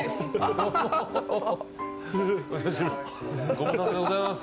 ご無沙汰でございます。